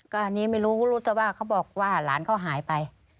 ก็อันนี้ไม่รู้รู้แต่ว่าเขาบอกว่าหลานเขาหายไป